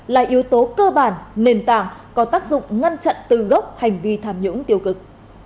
là yếu tố cơ bản nền tảng có tác dụng ngăn chặn từ gốc hành vi tham nhũng tiêu cực